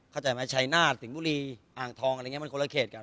เข้าใจไหมชัยนาฏสิงห์บุรีอ่างทองอะไรอย่างนี้มันคนละเขตกัน